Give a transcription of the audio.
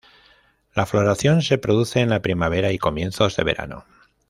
La floración se produce en la primavera y comienzos de verano.